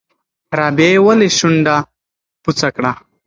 رابعې ولې شونډه بوڅه کړه؟